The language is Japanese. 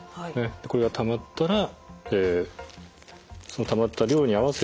これがたまったらそのたまった量に合わせてですね